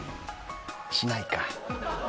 しないか。